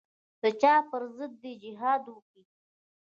د چا پر ضد دې جهاد وکي.